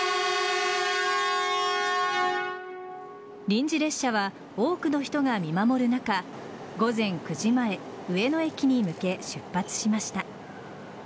臨時列車は多くの人が見守る中午前９時前上野駅に向け出発しました。